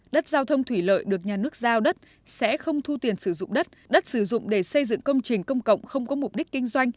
đất giao thông thủy lợi được nhà nước giao đất sẽ không thu tiền sử dụng đất đất sử dụng để xây dựng công trình công cộng không có mục đích kinh doanh